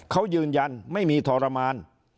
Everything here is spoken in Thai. เขายืนยันไม่มีทรมาน